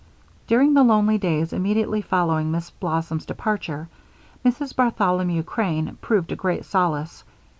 During the lonely days immediately following Miss Blossom's departure, Mrs. Bartholomew Crane proved a great solace.